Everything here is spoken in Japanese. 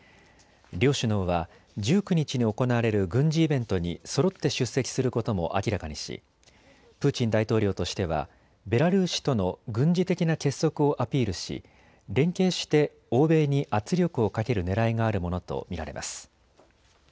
両首脳は１９日に行われる軍事イベントにそろって出席することも明らかにしプーチン大統領としてはベラルーシとの軍事的な結束をアピールし連携して欧米に圧力をかけるねらいがあるものと見られます。